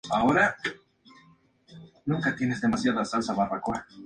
Intenta buscar venganza, pero Kamil le mata.